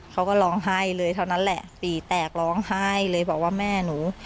เขาก็ร้องไห้เลยเท่านั้นแหละตีแตกร้องไห้เลยบอกว่าแม่หนู